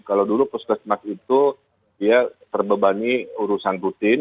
kalau dulu puskesmas itu dia terbebani urusan rutin